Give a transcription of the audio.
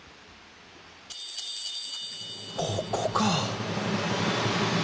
ここかあ。